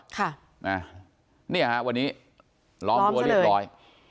ค่ะนี่ครับวันนี้ล้อมจัวเรียบร้อย